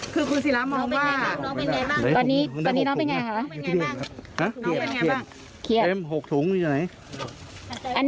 คือคุณศิละมองว่า